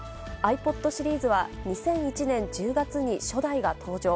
ｉＰｏｄシリーズは、２００１年１０月に初代が登場。